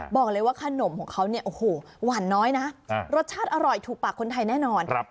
บอกเลยว่าขนมของเขาเนี่ยโอ้โหหวานน้อยนะรสชาติอร่อยถูกปากคนไทยแน่นอน